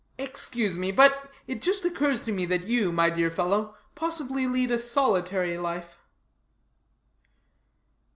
Excuse me, but it just occurs to me that you, my dear fellow, possibly lead a solitary life."